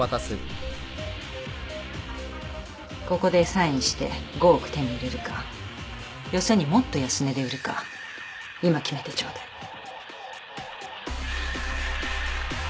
ここでサインして５億手に入れるかよそにもっと安値で売るか今決めてちょうだい。